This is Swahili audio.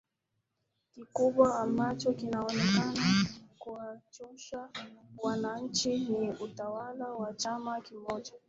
kikubwa ambacho kinaonekana kuwachosha wananchi ni utawala wa chama kimoja